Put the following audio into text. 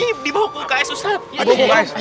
ini dibawa ke uks ustadz